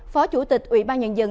phó chủ tịch ủy ban nhân dân